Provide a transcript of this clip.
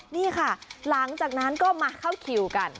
นี่ค่ะหลังจากนั้นก็มาเข้าคิวกัน